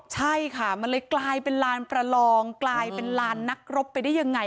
ใช่ค่ะมันเลยกลายเป็นลานประลองกลายเป็นลานนักรบไปได้ยังไง